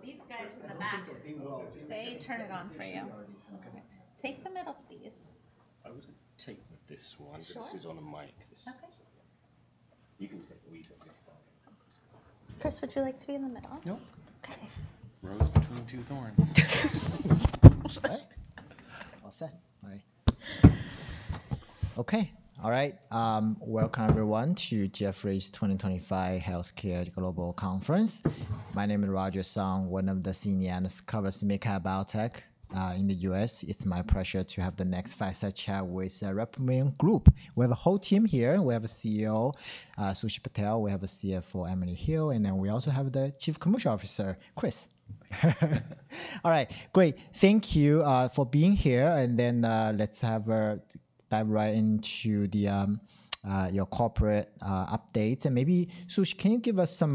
These guys in the back. They turn it on for you. Okay. Take the middle, please. I was going to tape with this one because this is on a mic. Okay. You can tape where you want. Chris, would you like to be in the middle? No. Okay. Rose between two thorns. All set. Hi. Okay. All right. Welcome, everyone, to Jefferies 2025 Healthcare Global Conference. My name is Roger Song, one of the senior analysts covering MedCare Biotech in the U.S. It's my pleasure to have the next five-star chat with Replimune Group. We have a whole team here. We have CEO Sushil Patel, we have a CFO, Emily Hill, and then we also have the Chief Commercial Officer, Chris. All right. Great. Thank you for being here. Then let's dive right into your corporate updates. Maybe, Sushil, can you give us some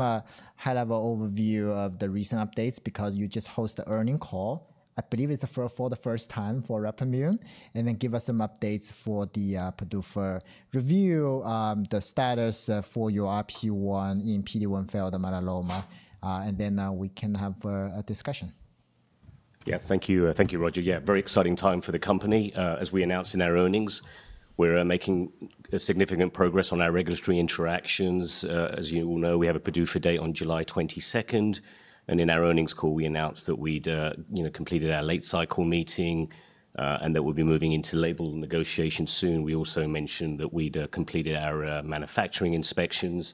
high-level overview of the recent updates because you just hosted an earnings call, I believe it's for the first time for Replimune, and then give us some updates for the PDUFA review, the status for your RP1 in PD-1 failed melanoma, and then we can have a discussion. Yeah. Thank you, Roger. Yeah, very exciting time for the company. As we announced in our earnings, we're making significant progress on our regulatory interactions. As you all know, we have a PDUFA date on July 22nd, 2025. In our earnings call, we announced that we'd completed our late cycle meeting and that we'd be moving into label negotiations soon. We also mentioned that we'd completed our manufacturing inspections.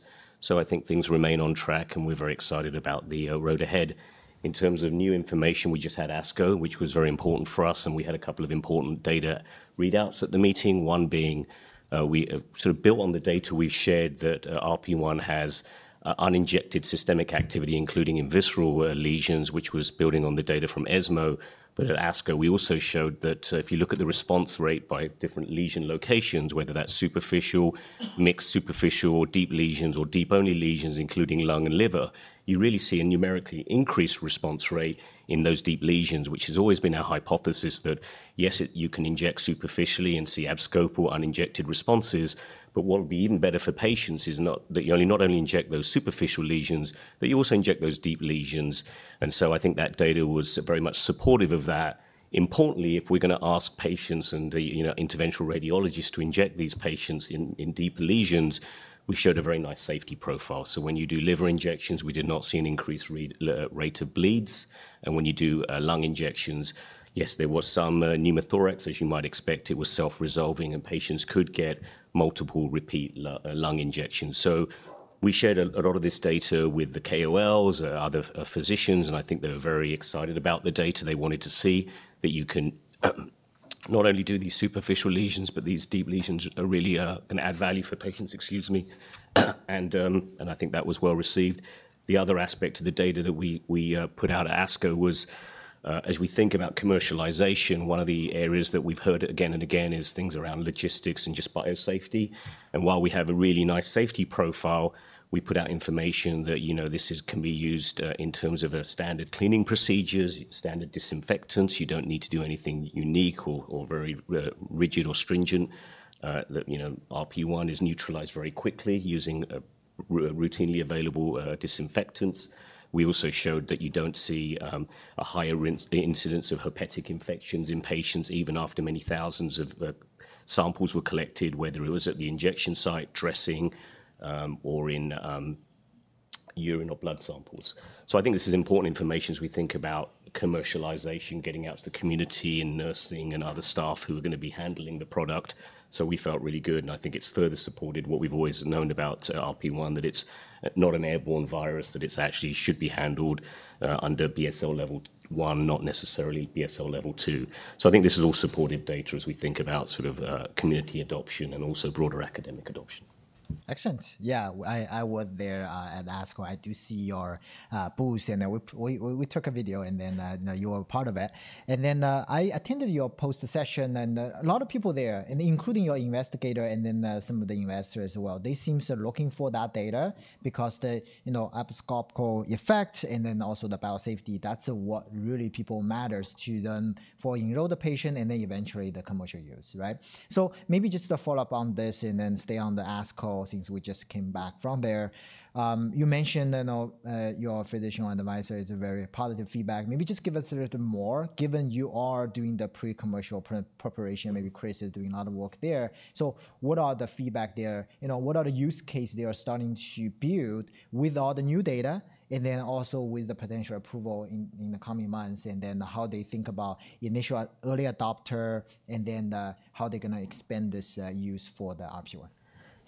I think things remain on track, and we're very excited about the road ahead. In terms of new information, we just had ASCO, which was very important for us, and we had a couple of important data readouts at the meeting, one being we sort of built on the data we've shared that RP1 has uninjected systemic activity, including in visceral lesions, which was building on the data from ESMO. At ASCO, we also showed that if you look at the response rate by different lesion locations, whether that's superficial, mixed superficial, or deep lesions or deep-only lesions, including lung and liver, you really see a numerically increased response rate in those deep lesions, which has always been our hypothesis that, yes, you can inject superficially and see abscopal uninjected responses. What would be even better for patients is not that you only not only inject those superficial lesions, but you also inject those deep lesions. I think that data was very much supportive of that. Importantly, if we're going to ask patients and interventional radiologists to inject these patients in deep lesions, we showed a very nice safety profile. When you do liver injections, we did not see an increased rate of bleeds. When you do lung injections, yes, there was some pneumothorax, as you might expect. It was self-resolving, and patients could get multiple repeat lung injections. We shared a lot of this data with the KOLs, other physicians, and I think they were very excited about the data. They wanted to see that you can not only do these superficial lesions, but these deep lesions really can add value for patients, excuse me. I think that was well received. The other aspect of the data that we put out at ASCO was, as we think about commercialization, one of the areas that we've heard again and again is things around logistics and just biosafety. While we have a really nice safety profile, we put out information that this can be used in terms of standard cleaning procedures, standard disinfectants. You don't need to do anything unique or very rigid or stringent. RP1 is neutralized very quickly using routinely available disinfectants. We also showed that you don't see a higher incidence of herpetic infections in patients even after many thousands of samples were collected, whether it was at the injection site, dressing, or in urine or blood samples. I think this is important information as we think about commercialization, getting out to the community and nursing and other staff who are going to be handling the product. We felt really good, and I think it's further supported what we've always known about RP1, that it's not an airborne virus, that it actually should be handled under BSL level one, not necessarily BSL level two. I think this is all supported data as we think about sort of community adoption and also broader academic adoption. Excellent. Yeah, I was there at ASCO. I do see your booth, and we took a video, and then you were part of it. I attended your poster session, and a lot of people there, including your investigator and then some of the investors as well, they seem to be looking for that data because the abscopal effect and then also the biosafety, that's what really matters to them for enroll the patient and then eventually the commercial use, right? Maybe just to follow up on this and then stay on the ASCO since we just came back from there. You mentioned your physician advisor is very positive feedback. Maybe just give us a little bit more, given you are doing the pre-commercial preparation, maybe Chris is doing a lot of work there. What are the feedback there? What are the use cases they are starting to build with all the new data and then also with the potential approval in the coming months and then how they think about initial early adopter and then how they're going to expand this use for the RP1?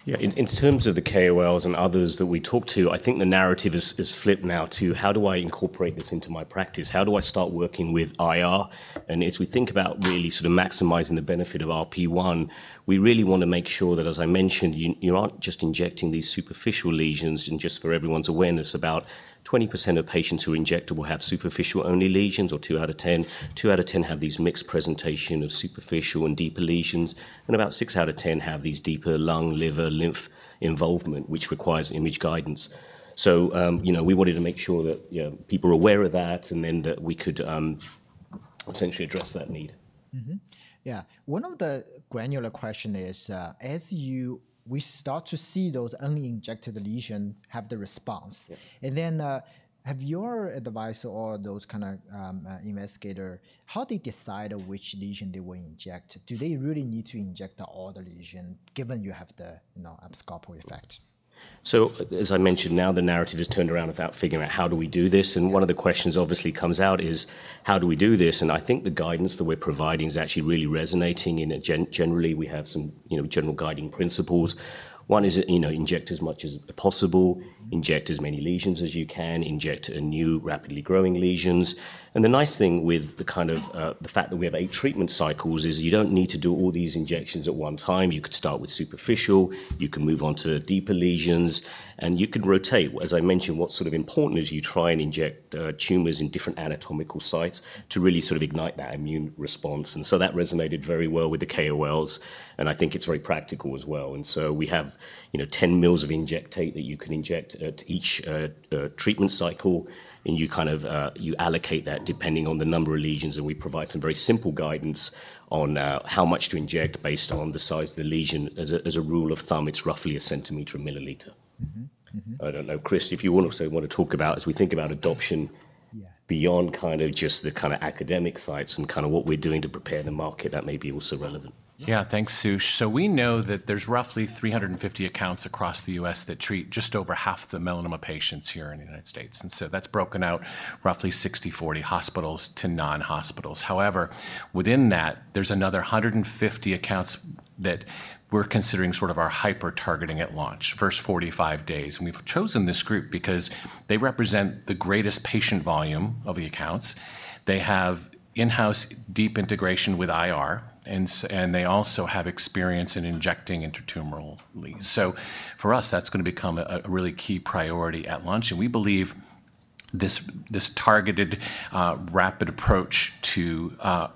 Yeah. In terms of the KOLs and others that we talked to, I think the narrative has flipped now to how do I incorporate this into my practice? How do I start working with IR? As we think about really sort of maximizing the benefit of RP1, we really want to make sure that, as I mentioned, you aren't just injecting these superficial lesions. Just for everyone's awareness, about 20% of patients who are injectable have superficial-only lesions or two out of 10. Two out of 10 have these mixed presentations of superficial and deeper lesions, and about six out of 10 have these deeper lung, liver, lymph involvement, which requires image guidance. We wanted to make sure that people are aware of that and then that we could essentially address that need. Yeah. One of the granular questions is, as we start to see those uninjected lesions have the response, and then have your advice or those kind of investigators, how do they decide which lesion they will inject? Do they really need to inject all the lesions given you have the abscopal effect? As I mentioned, now the narrative has turned around about figuring out how do we do this. One of the questions obviously comes out is, how do we do this? I think the guidance that we're providing is actually really resonating in that generally we have some general guiding principles. One is inject as much as possible, inject as many lesions as you can, inject new rapidly growing lesions. The nice thing with the fact that we have eight treatment cycles is you do not need to do all these injections at one time. You could start with superficial, you can move on to deeper lesions, and you can rotate. As I mentioned, what's sort of important is you try and inject tumors in different anatomical sites to really sort of ignite that immune response. That resonated very well with the KOLs, and I think it's very practical as well. We have 10 ml of injectate that you can inject at each treatment cycle, and you kind of allocate that depending on the number of lesions. We provide some very simple guidance on how much to inject based on the size of the lesion. As a rule of thumb, it's roughly a centimeter per milliliter. I don't know, Chris, if you also want to talk about as we think about adoption beyond just the academic sites and what we're doing to prepare the market, that may be also relevant. Yeah, thanks, Sush. We know that there's roughly 350 accounts across the US that treat just over half the melanoma patients here in the United States. That's broken out roughly 60-40 hospitals to non-hospitals. However, within that, there's another 150 accounts that we're considering sort of our hyper-targeting at launch, first 45 days. We've chosen this group because they represent the greatest patient volume of the accounts. They have in-house deep integration with IR, and they also have experience in injecting intertumoral lead. For us, that's going to become a really key priority at launch. We believe this targeted rapid approach to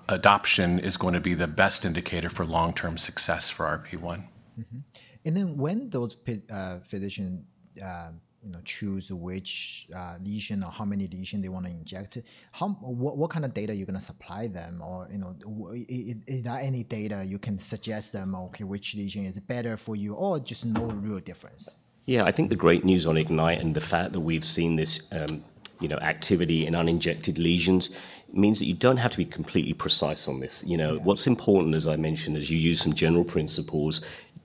adoption is going to be the best indicator for long-term success for RP1. When those physicians choose which lesion or how many lesions they want to inject, what kind of data are you going to supply them? Is there any data you can suggest to them, okay, which lesion is better for you or just no real difference? Yeah, I think the great news on Ignite and the fact that we've seen this activity in uninjected lesions means that you don't have to be completely precise on this. What's important, as I mentioned, is you use some general principles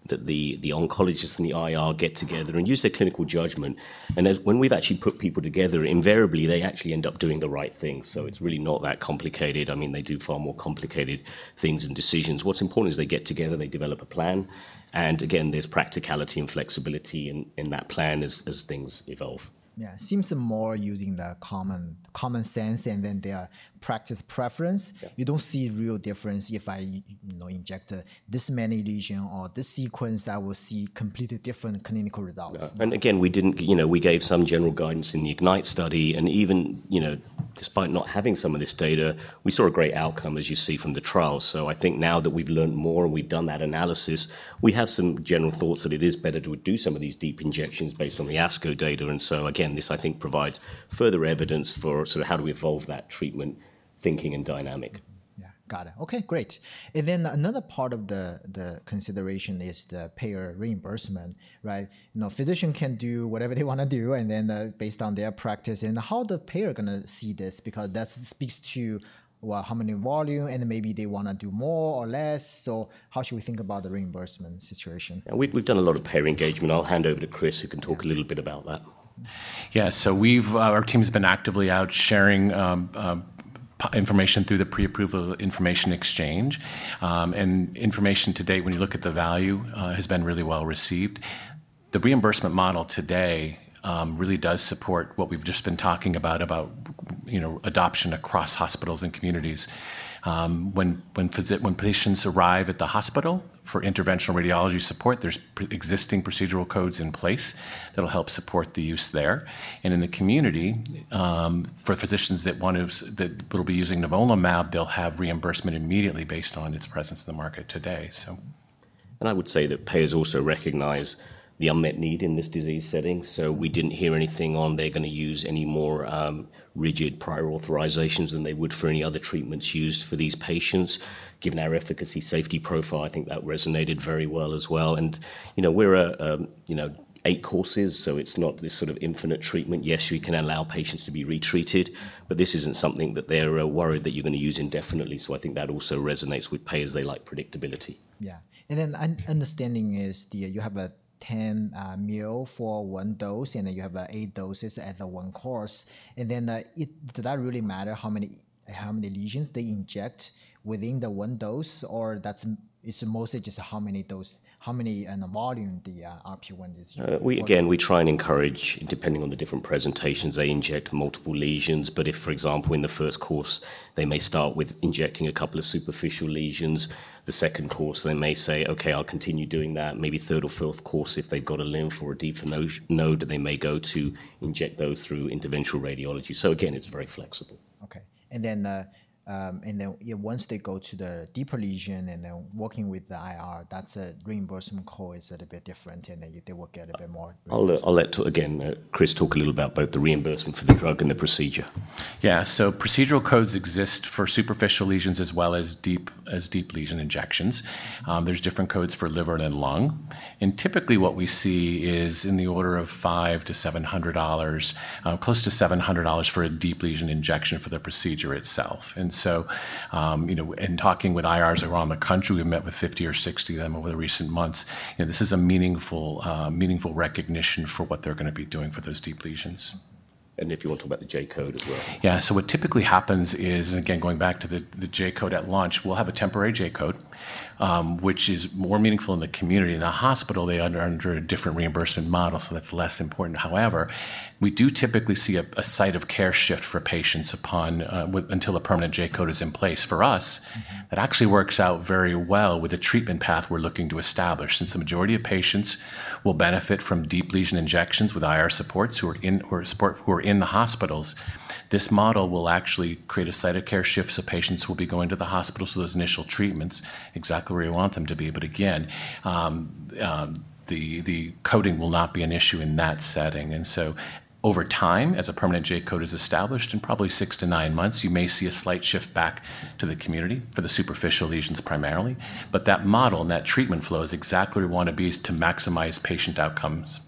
that the oncologist and the IR get together and use their clinical judgment. And when we've actually put people together, invariably, they actually end up doing the right thing. It is really not that complicated. I mean, they do far more complicated things and decisions. What's important is they get together, they develop a plan, and again, there's practicality and flexibility in that plan as things evolve. Yeah. Seems more using the common sense and then their practice preference. You do not see real difference if I inject this many lesions or this sequence, I will see completely different clinical results. We gave some general guidance in the Ignite study. Even despite not having some of this data, we saw a great outcome, as you see from the trials. I think now that we've learned more and we've done that analysis, we have some general thoughts that it is better to do some of these deep injections based on the ASCO data. I think this provides further evidence for how we evolve that treatment thinking and dynamic. Yeah. Got it. Okay, great. Another part of the consideration is the payer reimbursement, right? Physicians can do whatever they want to do, based on their practice, and how the payer is going to see this because that speaks to how many volume, and maybe they want to do more or less. How should we think about the reimbursement situation? We've done a lot of payer engagement. I'll hand over to Chris, who can talk a little bit about that. Yeah. Our team has been actively out sharing information through the pre-approval information exchange. Information to date, when you look at the value, has been really well received. The reimbursement model today really does support what we've just been talking about, about adoption across hospitals and communities. When patients arrive at the hospital for interventional radiology support, there's existing procedural codes in place that'll help support the use there. In the community, for physicians that will be using Nivolumab, they'll have reimbursement immediately based on its presence in the market today, so. I would say that payers also recognize the unmet need in this disease setting. We did not hear anything on they're going to use any more rigid prior authorizations than they would for any other treatments used for these patients. Given our efficacy safety profile, I think that resonated very well as well. We are eight courses, so it is not this sort of infinite treatment. Yes, we can allow patients to be retreated, but this is not something that they are worried that you are going to use indefinitely. I think that also resonates with payers. They like predictability. Yeah. And then understanding is you have a 10 mL for one dose, and then you have eight doses at one course. And then does that really matter how many lesions they inject within the one dose? Or it's mostly just how many volume the RP1 is? Again, we try and encourage, depending on the different presentations, they inject multiple lesions. If, for example, in the first course, they may start with injecting a couple of superficial lesions. The second course, they may say, "Okay, I'll continue doing that." Maybe third or fourth course, if they've got a lymph or a deeper node, they may go to inject those through interventional radiology. Again, it's very flexible. Okay. Once they go to the deeper lesion and then working with the IR, that reimbursement code is a little bit different, and they will get a bit more. I'll let, again, Chris, talk a little about both the reimbursement for the drug and the procedure. Yeah. Procedural codes exist for superficial lesions as well as deep lesion injections. There are different codes for liver and lung. Typically, what we see is in the order of $500-$700, close to $700 for a deep lesion injection for the procedure itself. In talking with IRs around the country, we've met with 50 or 60 of them over the recent months. This is a meaningful recognition for what they're going to be doing for those deep lesions. If you want to talk about the J-code as well. Yeah. So what typically happens is, again, going back to the J-code at launch, we'll have a temporary J-code, which is more meaningful in the community. In a hospital, they are under a different reimbursement model, so that's less important. However, we do typically see a site of care shift for patients until a permanent J-code is in place. For us, that actually works out very well with the treatment path we're looking to establish. Since the majority of patients will benefit from deep lesion injections with IR supports who are in the hospitals, this model will actually create a site of care shift, so patients will be going to the hospitals for those initial treatments exactly where you want them to be. Again, the coding will not be an issue in that setting. Over time, as a permanent J-code is established, in probably six to nine months, you may see a slight shift back to the community for the superficial lesions primarily. That model and that treatment flow is exactly what we want to be to maximize patient outcomes.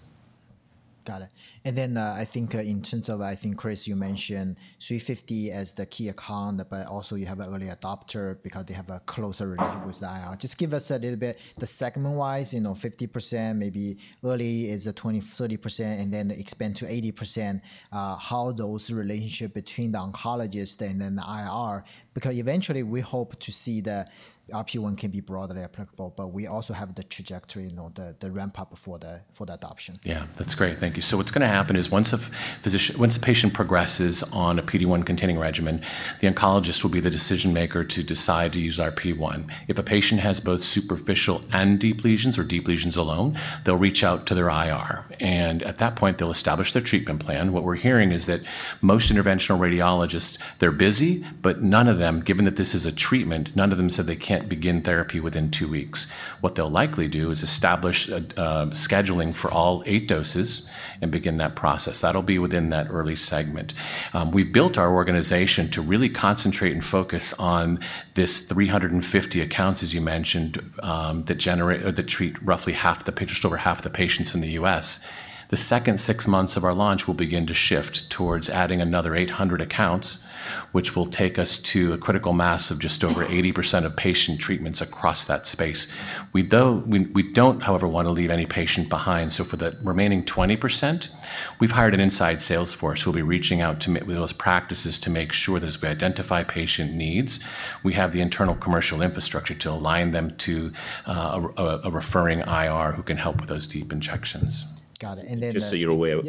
Got it. I think in terms of, I think, Chris, you mentioned 350 as the key account, but also you have an early adopter because they have a closer relationship with the IR. Just give us a little bit the segment-wise, 50%, maybe early is 30%, and then expand to 80%. How those relationships between the oncologist and then the IR, because eventually we hope to see that RP1 can be broadly applicable, but we also have the trajectory, the ramp-up for the adoption. Yeah, that's great. Thank you. What's going to happen is once a patient progresses on a PD-1 containing regimen, the oncologist will be the decision maker to decide to use RP1. If a patient has both superficial and deep lesions or deep lesions alone, they'll reach out to their IR. At that point, they'll establish their treatment plan. What we're hearing is that most interventional radiologists, they're busy, but none of them, given that this is a treatment, none of them said they can't begin therapy within two weeks. What they'll likely do is establish scheduling for all eight doses and begin that process. That'll be within that early segment. We've built our organization to really concentrate and focus on this 350 accounts, as you mentioned, that treat roughly half the patients, just over half the patients in the U.S. The second six months of our launch will begin to shift towards adding another 800 accounts, which will take us to a critical mass of just over 80% of patient treatments across that space. We don't, however, want to leave any patient behind. For the remaining 20%, we've hired an inside sales force who will be reaching out to those practices to make sure that as we identify patient needs, we have the internal commercial infrastructure to align them to a referring IR who can help with those deep injections. Got it. Then. Just so you're aware of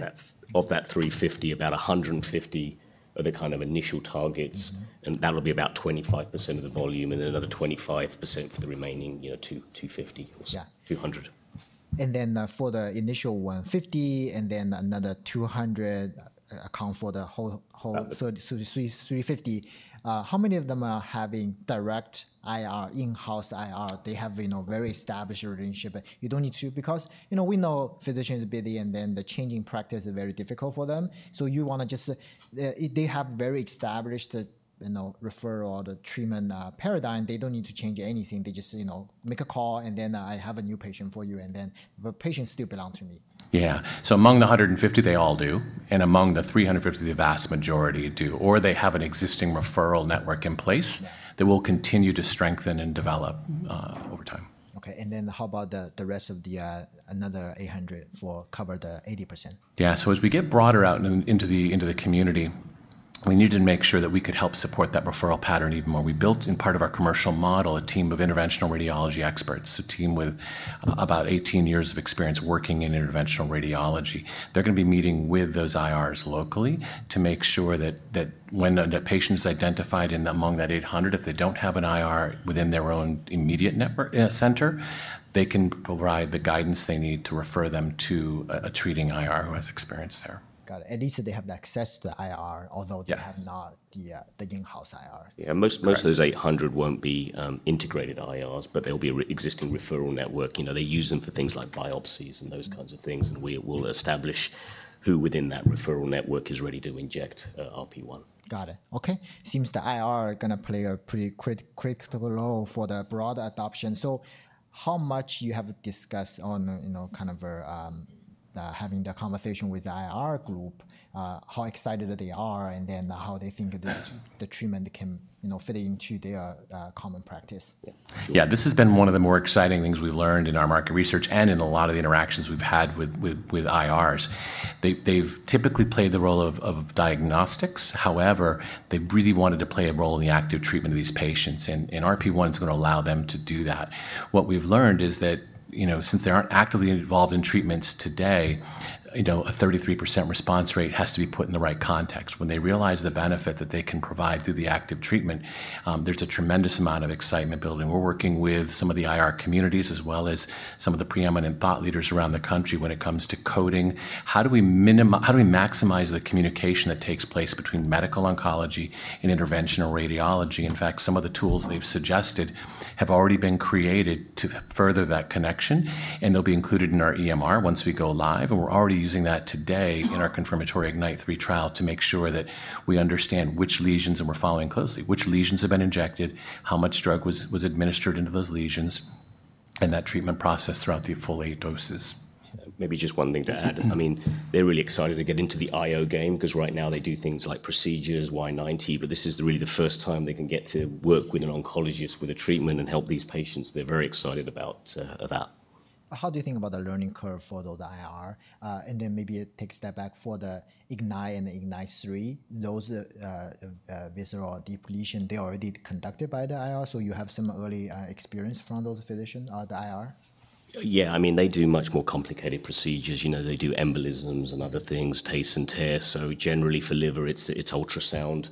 that 350, about 150 are the kind of initial targets, and that'll be about 25% of the volume and another 25% for the remaining 250 or 200. For the initial 150 and then another 200 account for the whole 350, how many of them are having direct IR, in-house IR? They have a very established relationship. You do not need to because we know physicians are busy, and then the changing practice is very difficult for them. You want to just, if they have very established referral or the treatment paradigm, they do not need to change anything. They just make a call, and then I have a new patient for you, and then the patients still belong to me. Yeah. Among the 150, they all do, and among the 350, the vast majority do, or they have an existing referral network in place that will continue to strengthen and develop over time. Okay. How about the rest of the another 800 to cover the 80%? Yeah. As we get broader out into the community, we needed to make sure that we could help support that referral pattern even more. We built in part of our commercial model a team of interventional radiology experts, a team with about 18 years of experience working in interventional radiology. They're going to be meeting with those IRs locally to make sure that when a patient is identified among that 800, if they don't have an IR within their own immediate center, they can provide the guidance they need to refer them to a treating IR who has experience there. Got it. You said they have access to the IR, although they have not the in-house IR. Yeah. Most of those 800 won't be integrated IRs, but they'll be an existing referral network. They use them for things like biopsies and those kinds of things, and we will establish who within that referral network is ready to inject RP1. Got it. Okay. Seems the IR are going to play a pretty critical role for the broad adoption. How much have you discussed on kind of having the conversation with the IR group, how excited they are, and then how they think the treatment can fit into their common practice? Yeah. This has been one of the more exciting things we've learned in our market research and in a lot of the interactions we've had with IRs. They've typically played the role of diagnostics. However, they've really wanted to play a role in the active treatment of these patients. RP1 is going to allow them to do that. What we've learned is that since they aren't actively involved in treatments today, a 33% response rate has to be put in the right context. When they realize the benefit that they can provide through the active treatment, there's a tremendous amount of excitement building. We're working with some of the IR communities as well as some of the preeminent thought leaders around the country when it comes to coding. How do we maximize the communication that takes place between medical oncology and interventional radiology? In fact, some of the tools they've suggested have already been created to further that connection, and they'll be included in our EMR once we go live. We're already using that today in our confirmatory IGNYTE-3 trial to make sure that we understand which lesions and we're following closely, which lesions have been injected, how much drug was administered into those lesions, and that treatment process throughout the full eight doses. Maybe just one thing to add. I mean, they're really excited to get into the IO game because right now they do things like procedures, Y90, but this is really the first time they can get to work with an oncologist with a treatment and help these patients. They're very excited about that. How do you think about the learning curve for those IR? Maybe take a step back for the Ignite and IGNYTE-3, those visceral deep lesions, they're already conducted by the IR, so you have some early experience from those physicians, the IR? Yeah. I mean, they do much more complicated procedures. They do embolisms and other things, taste and tear. Generally for liver, it's ultrasound.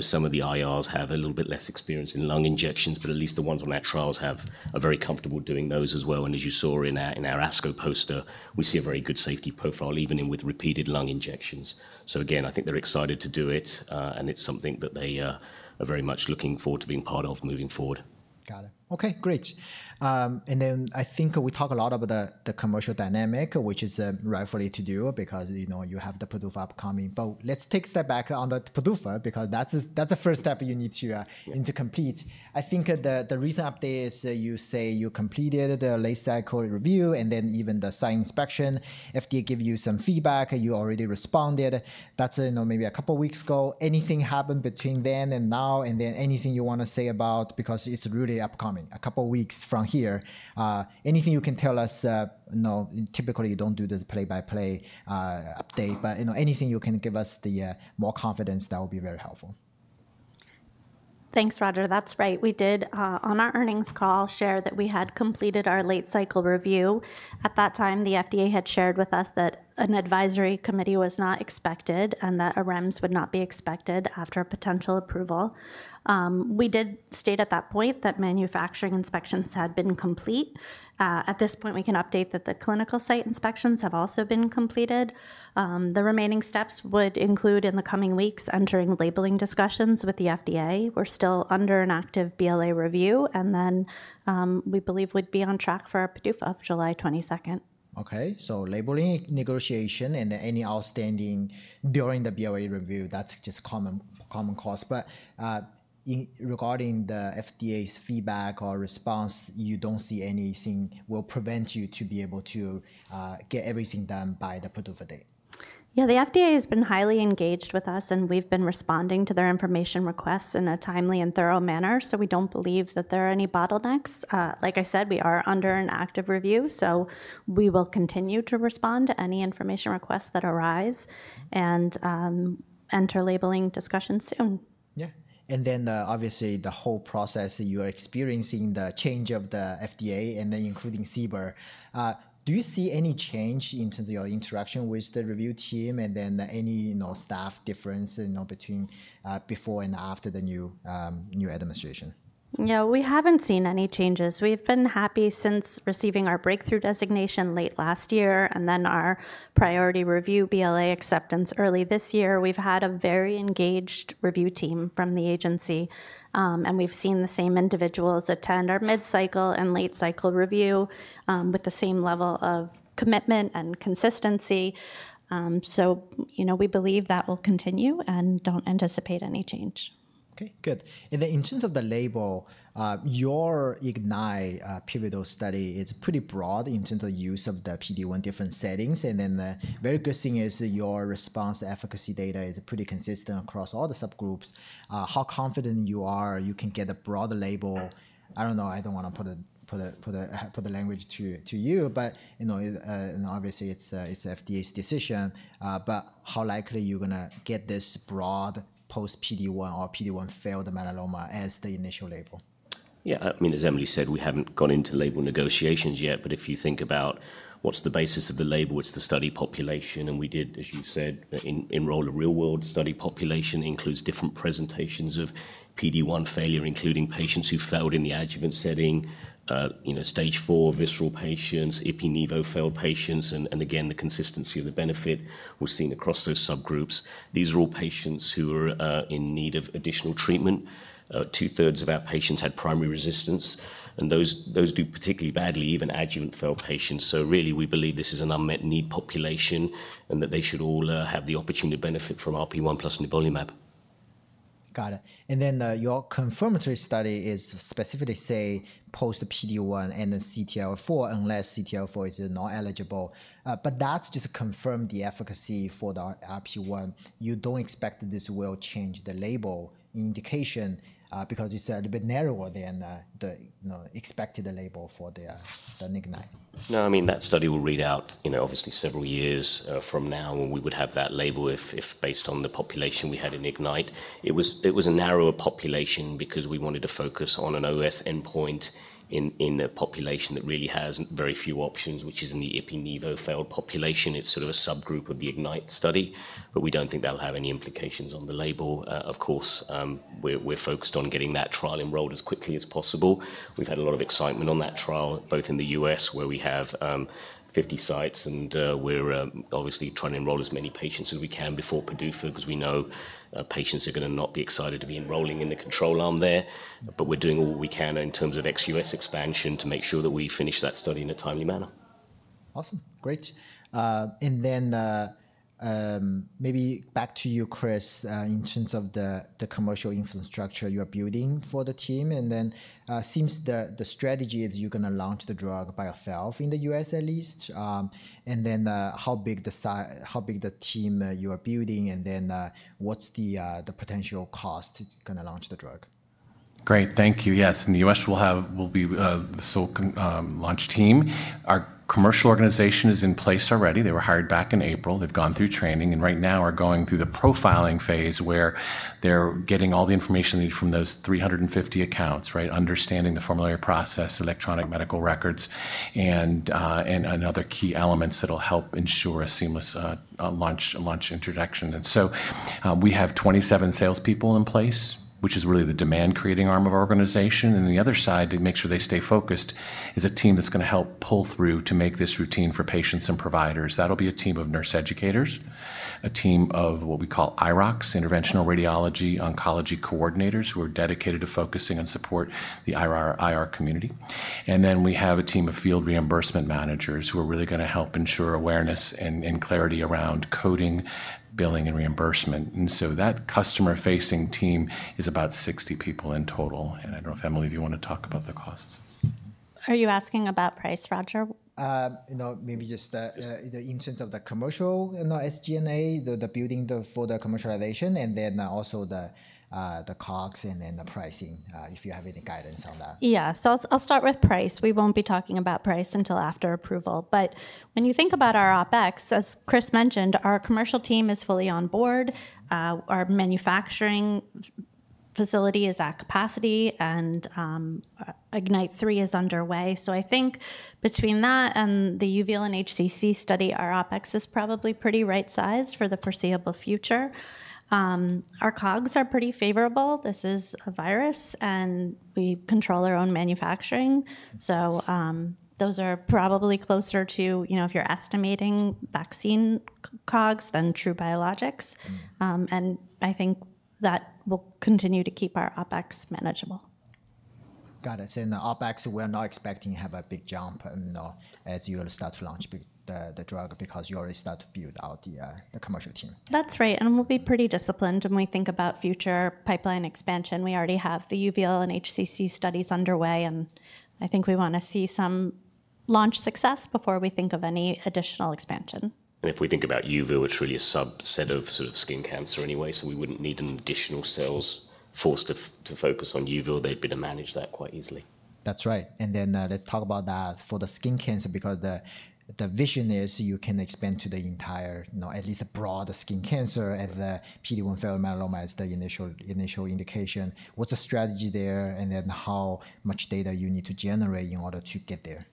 Some of the IRs have a little bit less experience in lung injections, but at least the ones on our trials are very comfortable doing those as well. As you saw in our ASCO poster, we see a very good safety profile even with repeated lung injections. I think they're excited to do it, and it's something that they are very much looking forward to being part of moving forward. Got it. Okay, great. I think we talk a lot about the commercial dynamic, which is rightfully to do because you have the PDUFA upcoming. Let's take a step back on the PDUFA because that's the first step you need to complete. I think the recent update is you say you completed the late cycle review and then even the site inspection. FDA gave you some feedback. You already responded. That's maybe a couple of weeks ago. Anything happened between then and now? Anything you want to say about because it's really upcoming a couple of weeks from here? Anything you can tell us? Typically, you don't do the play-by-play update, but anything you can give us the more confidence, that will be very helpful. Thanks, Roger. That's right. We did, on our earnings call, share that we had completed our late cycle review. At that time, the FDA had shared with us that an advisory committee was not expected and that a REMS would not be expected after a potential approval. We did state at that point that manufacturing inspections had been complete. At this point, we can update that the clinical site inspections have also been completed. The remaining steps would include, in the coming weeks, entering labeling discussions with the FDA. We're still under an active BLA review, and then we believe we'd be on track for our PDUFA of July 22nd. Okay. So labeling negotiation and any outstanding during the BLA review, that's just common course. Regarding the FDA's feedback or response, you don't see anything will prevent you to be able to get everything done by the PDUFA date? Yeah. The FDA has been highly engaged with us, and we've been responding to their information requests in a timely and thorough manner, so we don't believe that there are any bottlenecks. Like I said, we are under an active review, so we will continue to respond to any information requests that arise and enter labeling discussions soon. Yeah. And then obviously, the whole process, you are experiencing the change of the FDA and then including CBER. Do you see any change in terms of your interaction with the review team and then any staff difference between before and after the new administration? Yeah. We haven't seen any changes. We've been happy since receiving our breakthrough designation late last year and then our priority review BLA acceptance early this year. We've had a very engaged review team from the agency, and we've seen the same individuals attend our mid-cycle and late cycle review with the same level of commitment and consistency. We believe that will continue and don't anticipate any change. Okay. Good. In terms of the label, your IGNYTE pivotal study is pretty broad in terms of the use of the PD-1 different settings. The very good thing is your response efficacy data is pretty consistent across all the subgroups. How confident are you you can get a broad label? I don't know. I don't want to put the language to you, but obviously, it's FDA's decision. How likely are you going to get this broad post-PD-1 or PD-1 failed melanoma as the initial label? Yeah. I mean, as Emily said, we haven't gone into label negotiations yet, but if you think about what's the basis of the label, it's the study population. We did, as you said, enroll a real-world study population. It includes different presentations of PD-1 failure, including patients who failed in the adjuvant setting, stage four visceral patients, IpiNevo failed patients, and again, the consistency of the benefit we've seen across those subgroups. These are all patients who are in need of additional treatment. Two-thirds of our patients had primary resistance, and those do particularly badly, even adjuvant failed patients. We really believe this is an unmet need population and that they should all have the opportunity to benefit from RP1 plus Nivolumab. Got it. Your confirmatory study is specifically, say, post-PD-1 and then CTLA-4 unless CTLA-4 is not eligible. That's just to confirm the efficacy for the RP1. You don't expect this will change the label indication because it's a little bit narrower than the expected label for the IGNYTE. No. I mean, that study will read out obviously several years from now, and we would have that label based on the population we had in IGNYTE. It was a narrower population because we wanted to focus on an OS endpoint in a population that really has very few options, which is in the IpiNevo failed population. It's sort of a subgroup of the IGNYTE study, but we don't think that'll have any implications on the label. Of course, we're focused on getting that trial enrolled as quickly as possible. We've had a lot of excitement on that trial, both in the U.S. where we have 50 sites, and we're obviously trying to enroll as many patients as we can before PDUFA because we know patients are going to not be excited to be enrolling in the control arm there. We're doing all we can in terms of XUS expansion to make sure that we finish that study in a timely manner. Awesome. Great. Maybe back to you, Chris, in terms of the commercial infrastructure you're building for the team. It seems the strategy is you're going to launch the drug by yourself in the U.S. at least. How big is the team you are building, and what's the potential cost to kind of launch the drug? Great. Thank you. Yes. In the U.S., we'll be the SOLC launch team. Our commercial organization is in place already. They were hired back in April. They've gone through training and right now are going through the profiling phase where they're getting all the information they need from those 350 accounts, right? Understanding the formulary process, electronic medical records, and other key elements that'll help ensure a seamless launch introduction. We have 27 salespeople in place, which is really the demand-creating arm of our organization. On the other side, to make sure they stay focused, is a team that's going to help pull through to make this routine for patients and providers. That'll be a team of nurse educators, a team of what we call IROCs, Interventional Radiology Oncology-Coordinators who are dedicated to focusing and support the IR community. We have a team of field reimbursement managers who are really going to help ensure awareness and clarity around coding, billing, and reimbursement. That customer-facing team is about 60 people in total. I do not know if Emily, if you want to talk about the costs. Are you asking about price, Roger? Maybe just in terms of the commercial SG&A, the building for the commercialization, and then also the costs and then the pricing, if you have any guidance on that. Yeah. I'll start with price. We won't be talking about price until after approval. When you think about our OpEx, as Chris mentioned, our commercial team is fully on board. Our manufacturing facility is at capacity, and IGNYTE-3 is underway. I think between that and the uveal and HCC study, our OpEx is probably pretty right-sized for the foreseeable future. Our COGS are pretty favorable. This is a virus, and we control our own manufacturing. Those are probably closer to, if you're estimating, vaccine COGS than true biologics. I think that will continue to keep our OpEx manageable. Got it. The OpEx, we're not expecting to have a big jump as you'll start to launch the drug because you already start to build out the commercial team. That's right. We'll be pretty disciplined when we think about future pipeline expansion. We already have the uveal and HCC studies underway, and I think we want to see some launch success before we think of any additional expansion. If we think about uveal, it's really a subset of sort of skin cancer anyway, so we wouldn't need additional sales force to focus on uveal. They'd be able to manage that quite easily. That's right. And then let's talk about that for the skin cancer because the vision is you can expand to the entire, at least a broad skin cancer and the PD-1 failed melanoma as the initial indication. What's the strategy there and then how much data you need to generate in order to get there?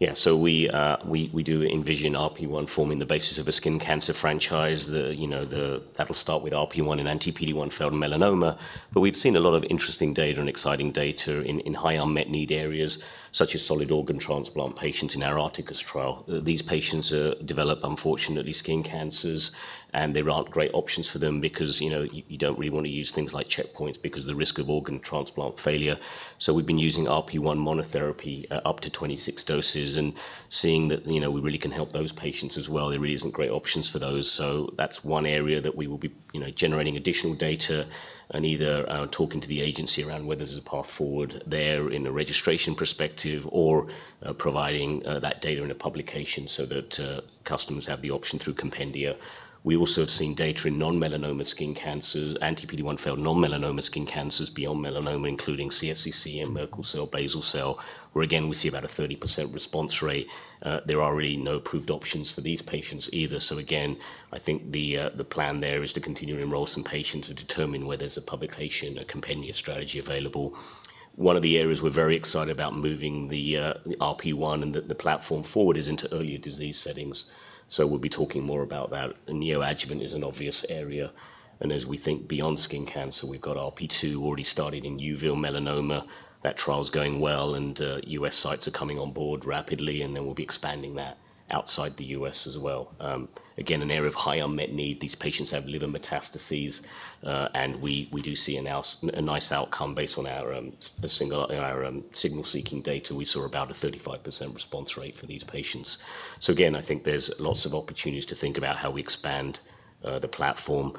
Yeah. So we do envision RP1 forming the basis of a skin cancer franchise. That'll start with RP1 and anti-PD-1 failed melanoma. We've seen a lot of interesting data and exciting data in high unmet need areas such as solid organ transplant patients in our Arcticus trial. These patients develop, unfortunately, skin cancers, and there aren't great options for them because you don't really want to use things like checkpoints because of the risk of organ transplant failure. We've been using RP1 monotherapy up to 26 doses and seeing that we really can help those patients as well. There really aren't great options for those. That's one area that we will be generating additional data and either talking to the agency around whether there's a path forward there in the registration perspective or providing that data in a publication so that customers have the option through Compendia. We also have seen data in non-melanoma skin cancers, anti-PD-1 failed non-melanoma skin cancers beyond melanoma, including CSCC and Merkel cell, basal cell, where again, we see about a 30% response rate. There are really no approved options for these patients either. Again, I think the plan there is to continue to enroll some patients to determine whether there's a publication or Compendia strategy available. One of the areas we're very excited about moving the RP1 and the platform forward is into earlier disease settings. We'll be talking more about that. Neoadjuvant is an obvious area. As we think beyond skin cancer, we've got RP2 already started in uveal melanoma. That trial's going well, and U.S. sites are coming on board rapidly, and then we'll be expanding that outside the U.S. as well. Again, an area of high unmet need. These patients have liver metastases, and we do see a nice outcome based on our signal-seeking data. We saw about a 35% response rate for these patients. I think there's lots of opportunities to think about how we expand the platform.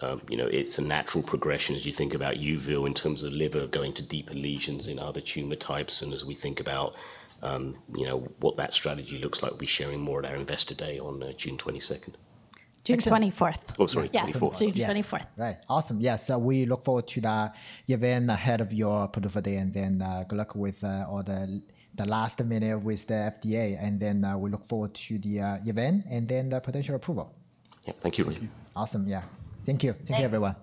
It's a natural progression as you think about uveal in terms of liver going to deeper lesions in other tumor types. As we think about what that strategy looks like, we'll be sharing more at our Investor Day on June 22nd. June 24th. Oh, sorry 24th. Yeah. June 24th. Right. Awesome. Yeah. We look forward to the event ahead of your PDUFA day, and then good luck with the last minute with the FDA. We look forward to the event and then the potential approval. Yeah. Thank you, Roger. Awesome. Yeah. Thank you. Thank you, everyone.